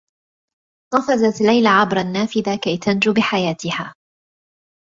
قفزت ليلى عبر النّافذة كي تنجو بحياتها.